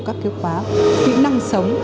các kế hoạch kỹ năng sống